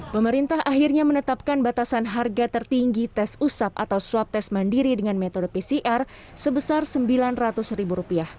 pemerintah akhirnya menetapkan batasan harga tertinggi tes usap atau swab tes mandiri dengan metode pcr sebesar rp sembilan ratus